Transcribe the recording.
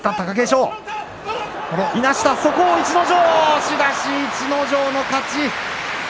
押し出し、逸ノ城の勝ち。